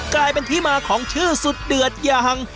กลายเป็นที่มาของชื่อสุดเดือดอย่าง